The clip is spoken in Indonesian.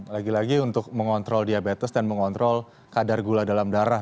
lagi lagi untuk mengontrol diabetes dan mengontrol kadar gula dalam darah